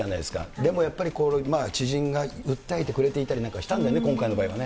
でもやっぱり、知人が訴えてくれていたりなんかしたんだね、今回の場合はね。